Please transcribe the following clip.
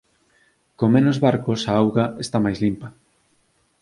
Con menos barcos a auga está máis limpa.